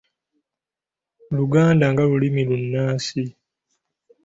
Luganda nga olulimi olunnansi